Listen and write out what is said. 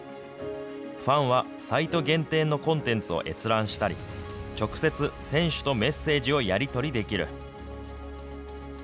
ファンはサイト限定のコンテンツを閲覧したり、直接、選手とメッセージをやり取りできる。